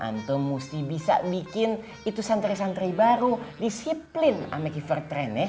antum antum mesti bisa bikin santri santri baru disiplin sama kievertrend